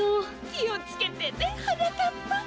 きをつけてねはなかっぱ。